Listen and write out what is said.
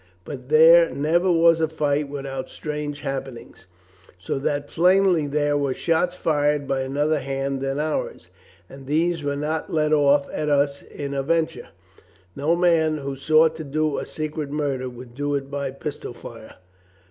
But there never was a fight without strange happenings." "So that plainly there were shots fired by another hand than ours. And these were not let off at us in a venture. No man who sought to do a secret mur der would do it by pistol fire.